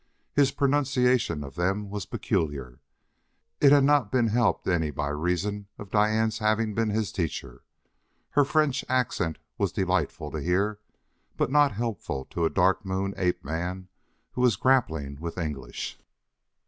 His pronunciation of them was peculiar: it had not been helped any by reason of Diane's having been his teacher. Her French accent was delightful to hear, but not helpful to a Dark Moon ape man who was grappling with English.